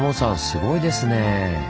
すごいですね。